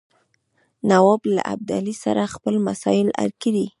نواب له ابدالي سره خپل مسایل حل کړي.